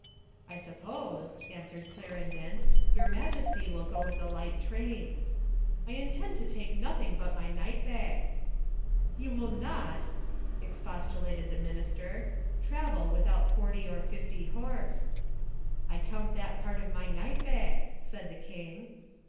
"I suppose," an swered Clarendon, "your Majesty will go with a light train." "I intend to take nothing but my night bag." "You will not," expostulated the minister, "travel without 40 or 50 horse." "I count that part of my night bag," said the king.